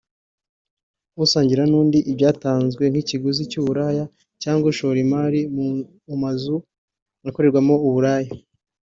usangira n’undi ibyatanzwe nk’ikiguzi cy’uburaya cyangwa ushora imari mu mazu akorerwamo uburaya